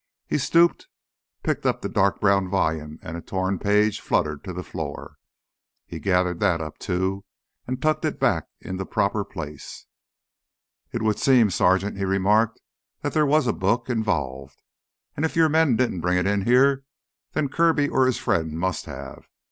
He stooped, picked up the dark brown volume, and a torn page fluttered to the floor. He gathered that up, too, and tucked it back in the proper place. "It would seem, Sergeant," he remarked, "that there was a book involved. And if your men didn't bring it in here, then Kirby or his friend must have.